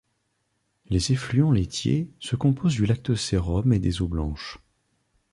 Les effluents laitiers se composent du lactosérum et des eaux blanches.